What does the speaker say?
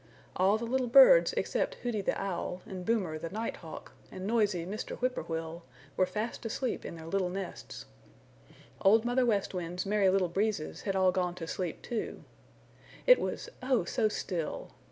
All the little birds except Hooty the Owl and Boomer the Night Hawk, and noisy Mr. Whip poor will were fast asleep in their little nests. Old Mother West Wind's Merry Little Breezes had all gone to sleep, too. It was oh so still!